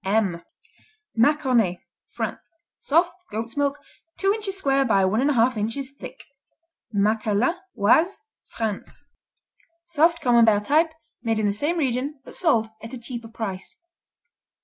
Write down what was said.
M Maconnais France Soft; goat's milk; two inches square by one and a half inches thick. Macqueline Oise, France Soft Camembert type, made in the same region, but sold at a cheaper price.